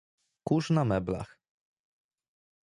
"Kurz na meblach."